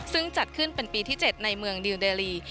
ซึ่งจัดขึ้นเป็นปีที่๗ในเมืองดิวเดลี